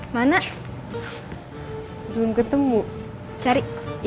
mas nggak peduli